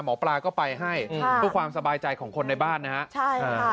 หมอปลาก็ไปให้เพื่อความสบายใจของคนในบ้านนะฮะใช่ค่ะ